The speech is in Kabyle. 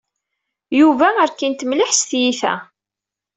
Yuba rkin-t mliḥ s tyita.